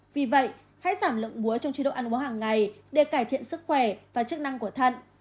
vì vậy hãy giảm lượng búa trong chế độ ăn uống hàng ngày để cải thiện sức khỏe và chức năng của thận